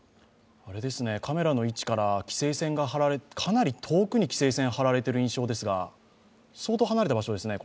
カメラの位置から、かなり遠くに規制線が張られている印象ですが、相当離れた場所ですね？